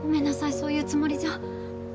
そういうつもりじゃ。